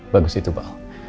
bagus itu pak